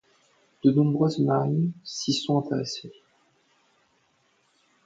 De nombreuses marines s'y sont intéressées.